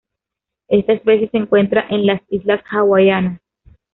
Esta especie se encuentra en las islas hawaianas.